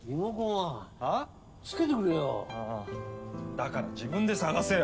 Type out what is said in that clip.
だから自分で探せよ！